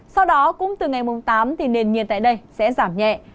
sau đó cũng từ ngày mùng tám thì nền nhiệt tại đây sẽ giảm nhẹ